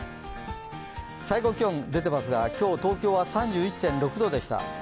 最高気温出てますが、今日、東京は３１．６度でした。